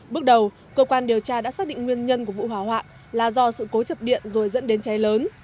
bước đầu cơ quan điều tra đã xác định nguyên nhân của vụ hỏa hoạn là do sự cố chập điện rồi dẫn đến cháy lớn